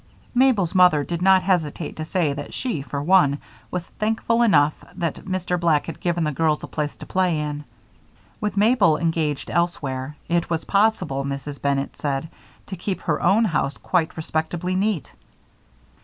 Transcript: Mabel's mother did not hesitate to say that she, for one, was thankful enough that Mr. Black had given the girls a place to play in. With Mabel engaged elsewhere, it was possible, Mrs. Bennett said, to keep her own house quite respectably neat.